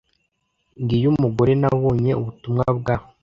Ngiyo umugore nabonye ubutumwa bwa.